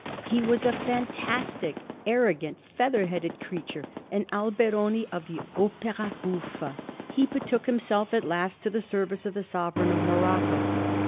He was a fiwi tastic, arrogant, feather headed creature, an Alberoni of the opera bouflfe. He betook himself at last to the service of the Sovereign of Morocco.